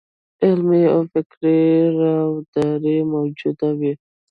علمي او فکري راوداري موجوده وي.